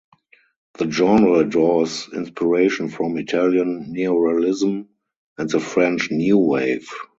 The genre draws inspiration from Italian neorealism and the French New Wave.